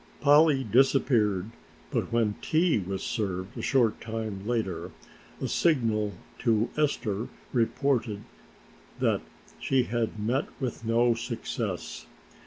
Polly disappeared, but when tea was served a short time later a signal to Esther reported that she had met with no success.